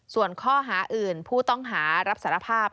ส่วนข้อหาอื่นผู้ต้องหารับสารภาพ